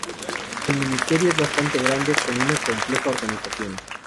El Ministerio es bastante grande, con una compleja organización.